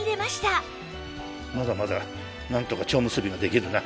まだまだなんとかちょう結びができるな。